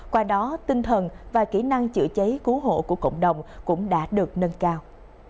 qua đó tinh thần và kỹ năng chữa cháy cứu hộ của cộng đồng cũng đã được nâng cao